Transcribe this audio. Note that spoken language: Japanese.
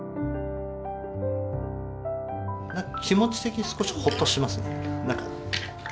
気持ち的に少しホッとしますね。